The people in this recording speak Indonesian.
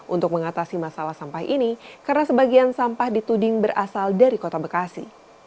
untuk mengatasi masalah sampah ini karena sebagian sampah dituding berasal dari kota bekasi